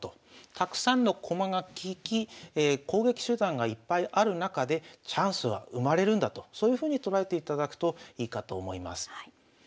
たくさんの駒が利き攻撃手段がいっぱいある中でチャンスは生まれるんだとそういうふうに捉えていただくといいかと思います。